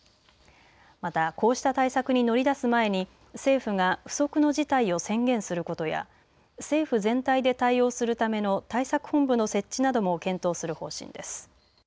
また、こうした対策に乗り出す前に政府が不測の事態を宣言することや政府全体で対応するための対策本部の設置なども検討する方針です。